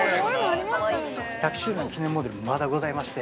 １００周年記念モデルまだございまして。